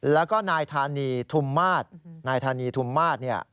แล้วก็นายธานีทุมมาศนายธานีทุมมาศเนี่ย